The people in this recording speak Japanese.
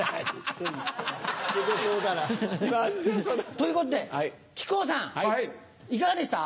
ということで木久扇さんいかがでした？